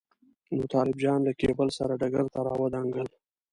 نو طالب جان له کېبل سره ډګر ته راودانګل.